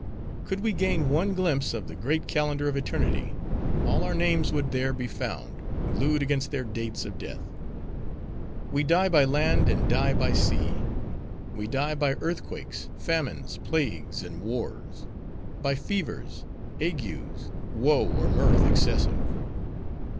Could we gain one glimpse of the great calendar of eternity, all our names would there be found, glued against their dates of death. We die by land, and die by sea; we die by earthquakes, famines, plagues, and wars; by fevers, agues; woe, or mirth excessive.